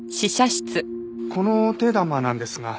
このお手玉なんですが。